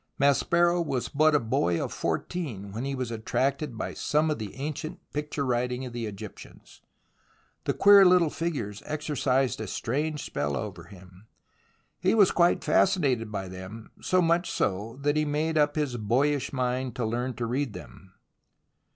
Maspero was but a boy of fourteen when he was attracted by some of the ancient picture writing of the Egyptians. The queer little figures exercised a strange spell over him. He was quite fascinated by them, so much so, that he made up his boyish mind to learn to read them.